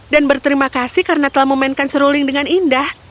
dan berterima kasih karena telah memainkan seruling dengan indah